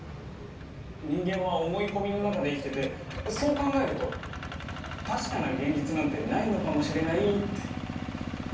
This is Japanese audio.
人間は思い込みの中で生きててそう考えると確かな現実なんてないのかもしれないって。